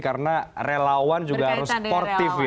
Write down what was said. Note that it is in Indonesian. karena relawan juga harus sportif ya